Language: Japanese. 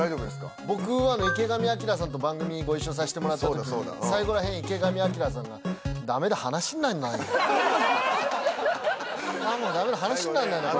僕は池上彰さんと番組ご一緒させてもらった時そうだそうだ最後らへん池上彰さんが「ああもうダメだ話にならない」